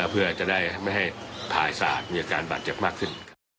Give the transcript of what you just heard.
เพื่ออย่าให้ภายศาสตร์มีอาการบรรเจ็บมากขึ้น